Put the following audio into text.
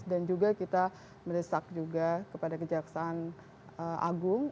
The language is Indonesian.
dan juga kita meresak kepada kejaksaan agung